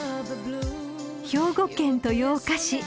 ［兵庫県豊岡市］